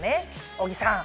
小木さん。